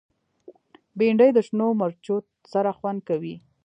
بېنډۍ د شنو مرچو سره خوند کوي